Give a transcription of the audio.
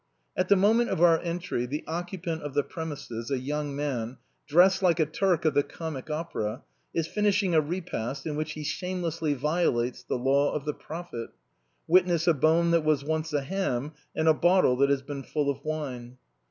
At the moment of our entry, the occupant of the premises, a young man, dressed like a Turk of the Comic Opera, is finishing a repast, in which he shamelessly violates the law of the Prophet. Witness a bone that was once a ham, and a bottle that has been full of wine.